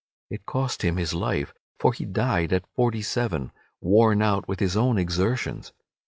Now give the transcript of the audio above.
It cost him his life, for he died at 47, worn out with his own exertions.